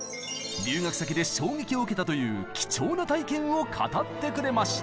留学先で衝撃を受けたという貴重な体験を語ってくれました。